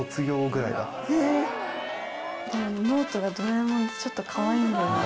でもノートがドラえもんでちょっとかわいいんだよね。